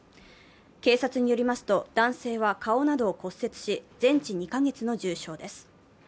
警察によりますと、男性は顔などを骨折し、全治２カ月の重傷です。